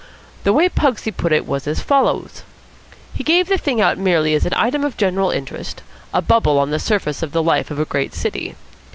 The way Pugsy put it was as follows. He gave the thing out merely as an item of general interest, a bubble on the surface of the life of a great city.